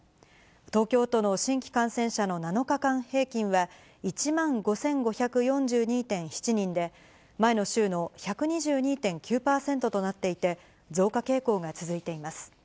東京都の新規感染者の７日間平均は、１万５５４２．７人で、前の週の１２２．９％となっていて、増加傾向が続いています。